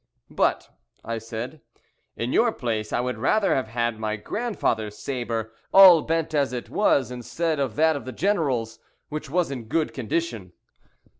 "But," I said, "in your place I would rather have had my grandfather's sabre, all bent as it was, instead of that of the general's, which was in good condition."